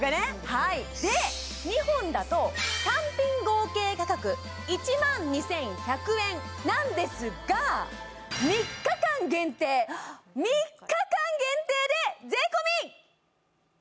はいで２本だと単品合計価格１２１００円なんですが３日間限定３日間限定で税込！